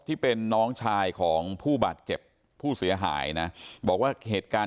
ที่เป็นน้องชายของผู้บัดเจ็บผู้เสียหายนะบอกว่า